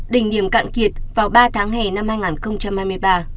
đỉnh điểm cạn kiệt vào ba tháng hè năm hai nghìn hai mươi ba